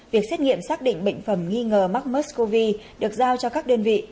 việc xét nghiệm xác định bệnh phẩm nghi ngờ mắc mexcov được giao cho các đơn vị